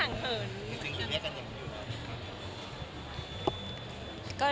มันน่าจะเป็นกำลังใจให้